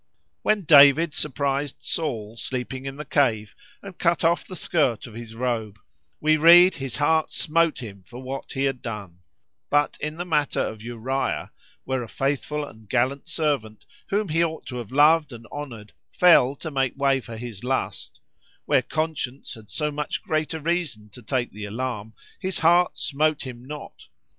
"When David surprized Saul sleeping in the cave, and cut off the skirt of his robe—we read his heart smote him for what he had done:——But in the matter of Uriah, where a faithful and gallant servant, whom he ought to have loved and honoured, fell to make way for his lust,—where conscience had so much greater reason to take the alarm, his heart smote him not.